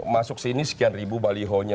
masuk sini sekian ribu balihonya